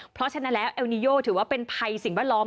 เพราะฉะนั้นแล้วเอลนิโยถือว่าเป็นภัยสิ่งแวดล้อม